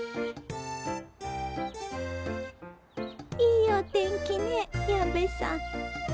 いいお天気ね矢部さん。